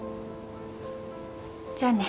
じゃあね。